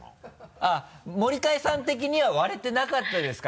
あぁ森開さん的には割れてなかったですか？